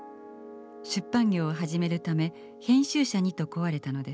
出版業を始めるため編集者にと請われたのです。